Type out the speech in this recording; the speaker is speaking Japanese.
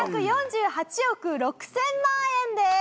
２１４８億６０００万円です。